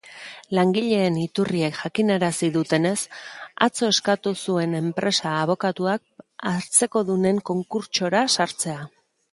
Langileen iturriek jakinarazi dutenez, atzo eskatu zuen enpresa abokatuak hartzekodunen konkurtsora sartzea.